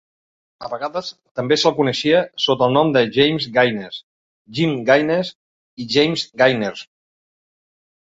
A vegades també se'l coneixia sota el nom de Jaimes Gaines, Jim Gaines i James Gainers.